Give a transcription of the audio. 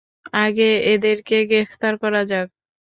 আগে এদেরকে গ্রেপ্তার করা যাক।